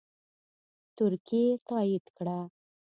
ترکیې تایید کړه